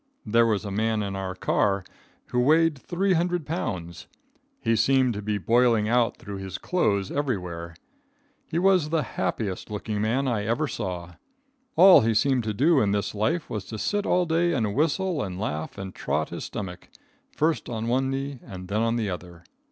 There was a man in our car who weighed 300 pounds. He seemed to be boiling out through his clothes everywhere. He was the happiest looking man I ever saw. All he seemed to do in this life was to sit all day and whistle and laugh and trot his stomach, first on one knee and then on the other.